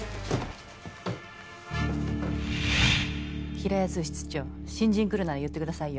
平安室長新人来るなら言ってくださいよ。